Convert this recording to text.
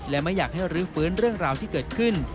และไม่อยากให้รื้อฟื้นเรื่องราวที่เกิดขึ้น